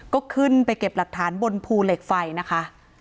ก็ขึ้นไปเก็บหลักฐานบนภูเหล็กไฟนะคะ